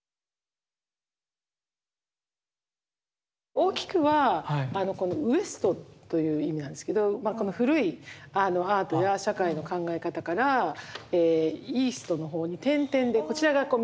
大きくはこの「Ｗｅｓｔ」という意味なんですけどこの古いアートや社会の考え方から「Ｏｓｔ」の方に点々でこちらがこう未来になって。